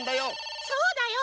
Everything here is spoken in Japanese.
そうだよ！